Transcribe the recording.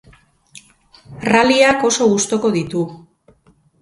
Rallyak oso gustuko ditu.